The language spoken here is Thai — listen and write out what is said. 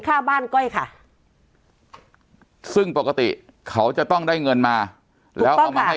ค่าบ้านก้อยค่ะซึ่งปกติเขาจะต้องได้เงินมาแล้วเอามาให้